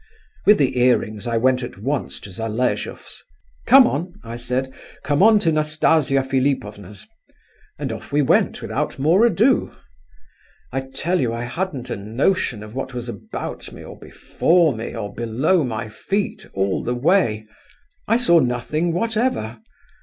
With the earrings I went at once to Zaleshoff's. 'Come on!' I said, 'come on to Nastasia Philipovna's,' and off we went without more ado. I tell you I hadn't a notion of what was about me or before me or below my feet all the way; I saw nothing whatever.